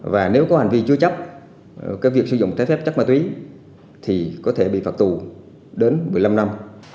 và nếu có hành vi chúa chóc cái việc sử dụng tái phép chắc ma túy thì có thể bị phạt tù đến một mươi năm năm